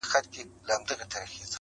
دهقان ولاړی په زاریو د مار کور ته٫